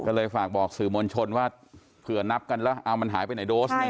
ก็เลยฝากบอกสื่อมวลชนว่าเผื่อนับกันแล้วเอามันหายไปไหนโดสเนี่ย